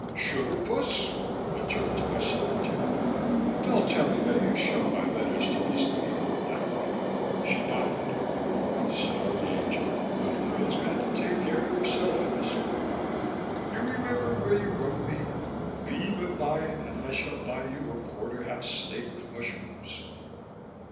"Sugar puss?" I turned to my secretary, "Don't tell me that you've shown my letters to this legal lout?" She nodded. "Sorry, angel, but a girl's got to take care of herself in this world. You remember where you wrote me, 'Be but mine and I shall buy you a porterhouse steak with mushrooms'."